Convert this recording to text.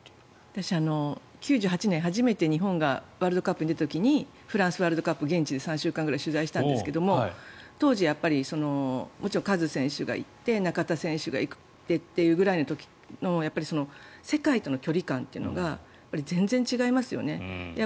私、９８年初めて日本がワールドカップに出た時にフランスワールドカップ現地で３週間くらい取材したんですが当時、もちろんカズ選手がいて中田選手がいてというぐらいの時の世界との距離感というのが全然違いますよね。